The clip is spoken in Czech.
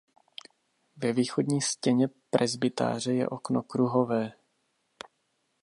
Ve východní stěně presbytáře je okno kruhové.